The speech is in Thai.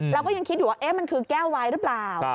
แล้วก็ยังคิดอยู่ว่าเอ๊ะมันคือแก้วไวร์รึเปล่า